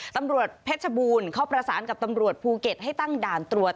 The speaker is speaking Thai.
ตำรวจเพชรบูรณ์เขาประสานกับตำรวจภูเก็ตให้ตั้งด่านตรวจ